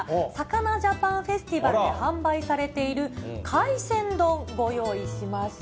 魚ジャパンフェスティバルで販売されている海鮮丼、ご用意しました。